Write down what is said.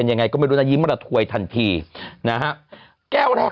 นี่นี่นี่นี่นี่นี่นี่นี่